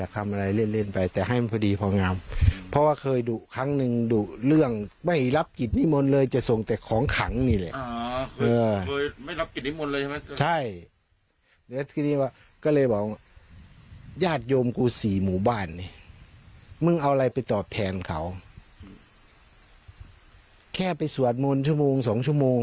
แค่ไปสวดมนต์ชั่วโมงสองชั่วโมง